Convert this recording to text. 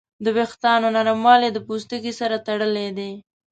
د وېښتیانو نرموالی د پوستکي سره تړلی دی.